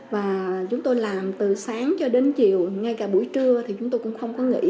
và chúng tôi làm từ sáng cho đến chiều ngay cả buổi trưa thì chúng tôi cũng không có nghỉ